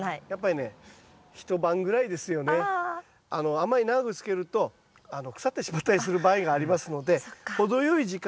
あんまり長くつけると腐ってしまったりする場合がありますので。